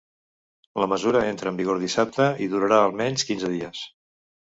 La mesura entra en vigor dissabte i durarà almenys quinze dies.